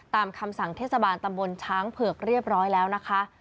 ตามคำสั่งเทศบาลตำบลช้างเผือกเรียบร้อยแล้วนะคะ